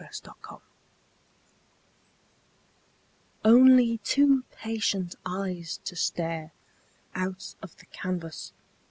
FADED PICTURES Only two patient eyes to stare Out of the canvas.